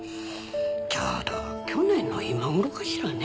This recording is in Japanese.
ちょうど去年の今頃かしらね。